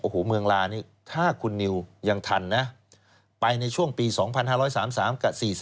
โอ้โหเมืองลานี่ถ้าคุณนิวยังทันนะไปในช่วงปี๒๕๓๓กับ๔๓